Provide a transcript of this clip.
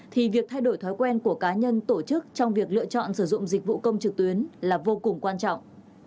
thì việc thay đổi thói quen của cá nhân tổ chức trong việc lựa chọn sử dụng dịch vụ công trực tuyến là vô cùng quan trọng